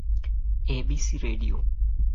ABC radio